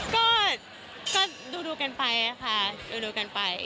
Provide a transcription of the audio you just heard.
ก็ก็ดูกันไปนะคะดูกันไป